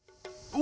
お！